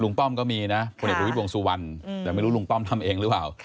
ป้อมก็มีนะพลเอกประวิทย์วงสุวรรณแต่ไม่รู้ลุงป้อมทำเองหรือเปล่า